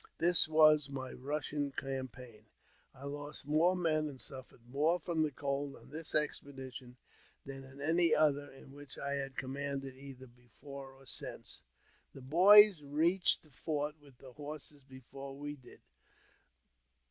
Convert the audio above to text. This was my Russian campaign. I lost more men, an^ suffered more from the cold on this expedition, than in an] other in which I had command either before or since. The boys reached the fort with the horses before we did.